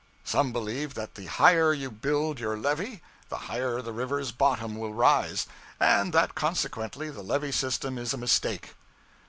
Some believed that the higher you build your levee, the higher the river's bottom will rise; and that consequently the levee system is a mistake.